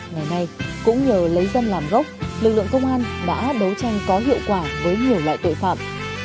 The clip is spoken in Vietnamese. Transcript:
ngày nay cũng nhờ lấy dân làm gốc lực lượng công an đã đấu tranh có hiệu quả với nhiều loại tội phạm